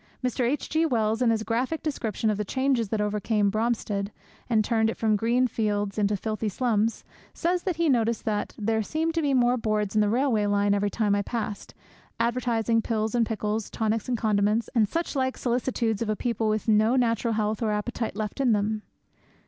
Mr. H. G. Wells, in his graphic description of the changes that overcame Bromstead, and turned it from green fields into filthy slums, says that he noticed that 'there seemed to be more boards by the railway every time I passed, advertising pills and pickles, tonics and condiments, and such like solicitudes of a people with no natural health or appetite left in them.'